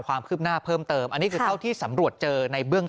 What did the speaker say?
ความคืบหน้าเพิ่มเติมอันนี้คือเท่าที่สำรวจเจอในเบื้องต้น